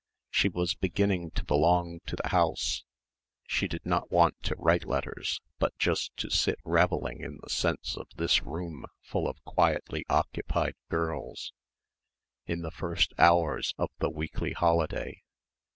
She was beginning to belong to the house she did not want to write letters but just to sit revelling in the sense of this room full of quietly occupied girls in the first hours of the weekly holiday.